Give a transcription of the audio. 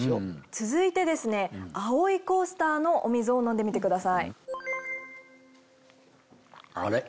続いてですね青いコースターのお水を飲んでみてください。あれ？